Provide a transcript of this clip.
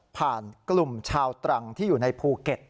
กลุ่มชาวตรังที่อยู่ในภูเก็ต